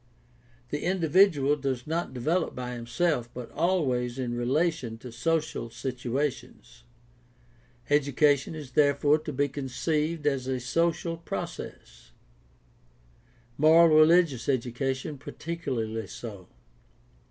The individual does not develop by himself but always in relation to social situations. Education is therefore to be conceived as a social process ; moral religious education particularly so.